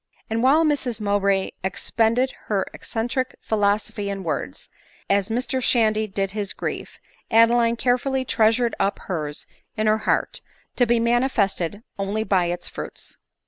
And while Mrs Mowbray expend ed her eccentric philosophy in words, as Mr Shandy did his grief, Adeline carefuDy treasured up hers in her heart, to be manifested only by hs fruits.